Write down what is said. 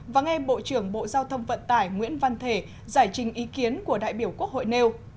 và nghe bộ trưởng bộ giao thông vận tải nguyễn văn thể giải trình ý kiến của đại biểu quốc hội nêu